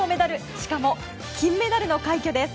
しかも、金メダルの快挙です。